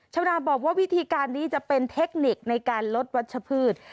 ชาวนาบอกว่าวิธีการนี้จะเป็นเทคนิคในการลดวัชพืช